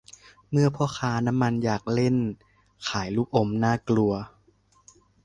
เมื่อพ่อค้าน้ำมันอยากเล่นขายลูกอม น่ากลัว